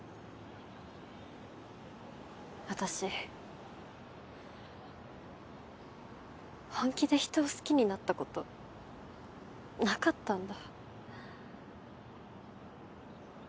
私本気で人を好きになったことなかったんだ。